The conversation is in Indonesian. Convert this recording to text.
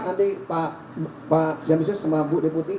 nanti pak bik sus dan bu deputi